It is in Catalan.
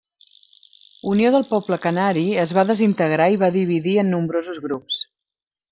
Unió del Poble Canari es va desintegrar i va dividir en nombrosos grups.